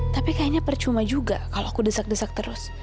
tapi kayaknya percuma juga kalau aku desak desak terus